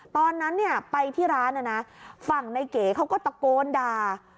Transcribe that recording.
ตอนนั้นไปที่ร้านนะฝั่งนายเก๋เขาก็ตะโกนด่า